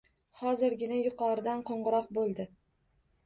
Hozirgina yuqoridan qo`ng`iroq bo`ldi